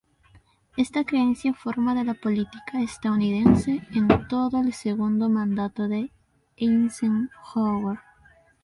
Esta creencia forma de la política estadounidense en todo el segundo mandato de Eisenhower.